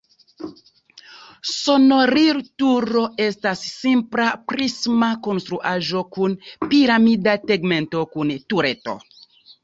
Sonorilturo estas simpla prisma konstruaĵo kun piramida tegmento kun tureto.